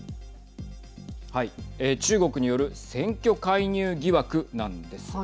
中国による選挙介入疑惑なんです。